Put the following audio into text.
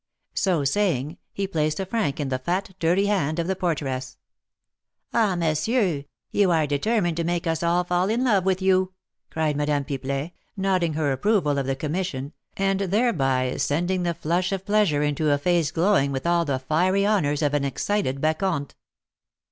So saying, he placed a franc in the fat, dirty hand of the porteress. "Ah, monsieur, you are determined to make us all fall in love with you!" cried Madame Pipelet, nodding her approval of the commission, and thereby sending the flush of pleasure into a face glowing with all the fiery honours of an excited Bacchante.